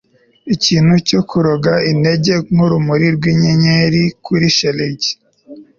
Ikintu cyo kuroga intege nkurumuri rwinyenyeri kuri shelegi